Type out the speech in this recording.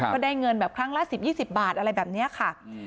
เพราะได้เงินแบบครั้งละสิบยี่สิบบาทอะไรแบบเนี้ยค่ะ